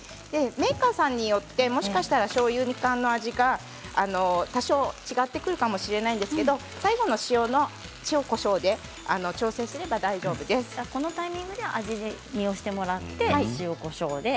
メーカーさんによってもしかしたらしょうゆ煮缶の味が多少違ってくるかもしれないんですけれども最後の塩、こしょうでこのタイミングで味見をしてもらって塩、こしょうで。